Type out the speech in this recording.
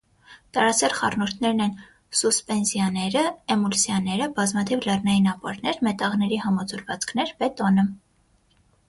Տարասեռ խառնուրդներն են սուսպենզիաները, էմուլսիաները, բազմաթիվ լեռնային ապարներ, մետաղների համաձուլվածքներ, բետոնը։